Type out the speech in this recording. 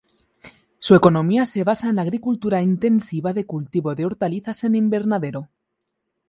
Su economía se basa en la agricultura intensiva de cultivo de hortalizas en invernadero.